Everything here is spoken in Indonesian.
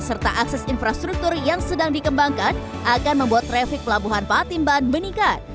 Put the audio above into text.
serta akses infrastruktur yang sedang dikembangkan akan membuat traffic pelabuhan patimban meningkat